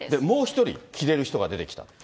もう一人、着れる人が出てきた。